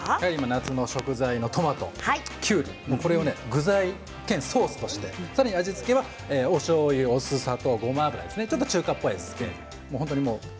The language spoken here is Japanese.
夏の食材のトマトきゅうり、こちらを具材謙ソースとして味付けはおしょうゆ、お酢砂糖、ごま油で中国っぽいですね。